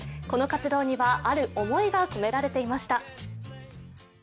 この活動には、ある思いが込められていました。